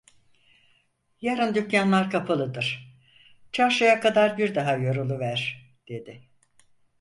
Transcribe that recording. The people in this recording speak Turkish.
"Yarın dükkânlar kapalıdır, çarşıya kadar bir daha yoruluver!" dedi.